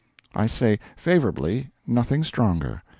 I say 'favourably' nothing stronger.